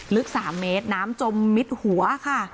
ลึก๓เมตรน้ำจมมิดหัวค่ะ